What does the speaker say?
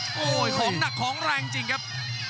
โอ้โหของหนักของแรงจริงครับ